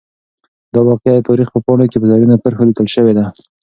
دا واقعه د تاریخ په پاڼو کې په زرینو کرښو لیکل شوې ده.